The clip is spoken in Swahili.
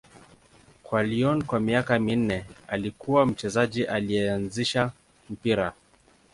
Kwa Lyon kwa miaka minne, alikuwa mchezaji aliyeanzisha mpira.